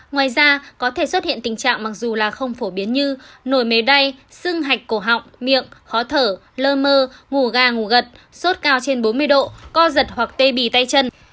ngoài ra có thể xuất hiện tình trạng mặc dù là không phổ biến như nổi mế đay sưng hạch cổ họng miệng khó thở lơ mơ ngủ gà ngủ gật sốt cao trên bốn mươi độ co giật hoặc tê bì tay chân